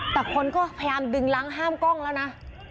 แต่คนก็พยายามดึงล้างห้ามกล้องแล้วนะ